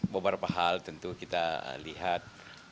beberapa hal tentu kita lihat